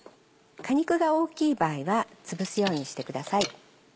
果肉が大きい場合はつぶすようにしてください。